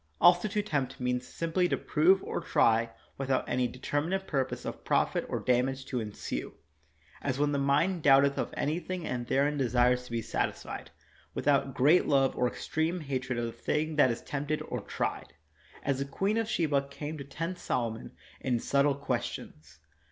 Also to tempt means simply to prove or try without any determinate purpose of profit or damage to ensue ; as when the mind doubteth of anything and therein desires to be satisfied, with out great love or extreme hatred of the thing that is tempted or tried, as the Queen of Sheba came to tempt Solomon in subtle questions.